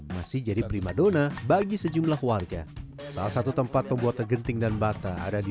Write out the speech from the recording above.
masih jadi prima dona bagi sejumlah warga salah satu tempat pembuatan genting dan bata ada di